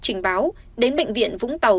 trình báo đến bệnh viện vũng tàu